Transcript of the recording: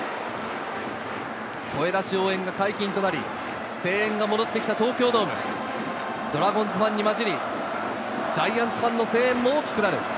声出し応援が解禁となり、声援が戻ってきた東京ドーム、ドラゴンズファンにまじり、ジャイアンツファンの声援も大きくなる。